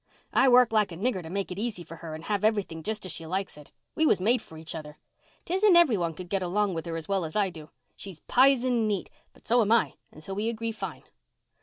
"I work like a nigger to make it easy for her and have everything just as she likes it. We was made for each other. 'Tisn't every one could get along with her as well as I do. She's pizen neat, but so am I, and so we agree fine."